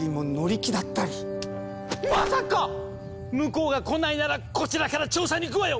⁉向こうが来ないならこちらから調査に行くわよ！